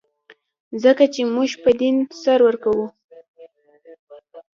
ځکه چې موږ په دین سر ورکوو.